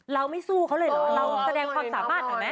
เราไม่สู้เขาเลยรึเราแสดงความสามารถกันแม่